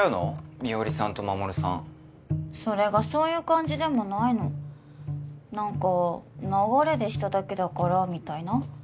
美織さんと衛さんそれがそういう感じでもないの何か流れでシただけだからみたいな